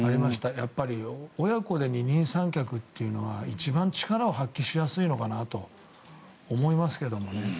やっぱり親子で二人三脚というのは一番力を発揮しやすいのかなと思いますけどね。